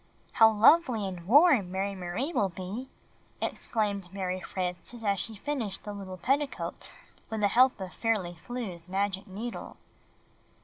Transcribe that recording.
"How lovely and warm Mary Marie will be!" exclaimed Mar}^ Frances as she finished the little petticoat with the help of Fairly Flew's magic needle.